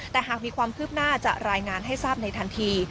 แต่หากมีความคืบหน้าจะรายงานให้ทราบในทันที